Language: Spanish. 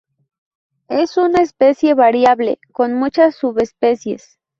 Es una especie variable con muchas subespecies.